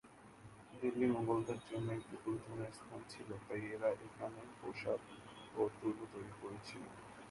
দিল্লি মুঘলদের জন্য একটি গুরুত্বপূর্ণ স্থান ছিল, তারা এখানে প্রাসাদ এবং দুর্গ তৈরি করেছিল।